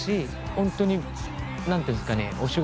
ホントに何ていうんですかねお仕事